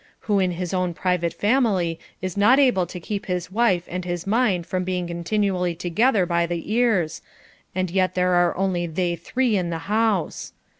503 who in his own private family is not able to keep his wife and his maid from being continually together by the ears, and yet there are only they three in the house.